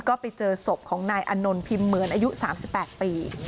ก็ไปเจอศพของนายอานนท์พิมพ์เหมือนอายุ๓๘ปี